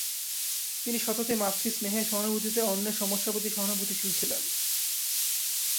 তিনি সততই মাতৃস্নেহে, সহানুভূতিতে, অন্যের সমস্যার প্রতি সহানুভূতিশীল ছিলেন।